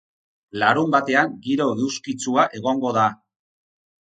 Larunbatean giro eguzkitsua egongo da.